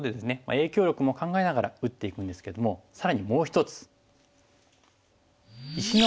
影響力も考えながら打っていくんですけども更にもう１つ。